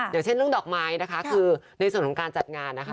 อย่างเช่นเรื่องดอกไม้นะคะคือในส่วนของการจัดงานนะคะ